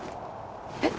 えっ？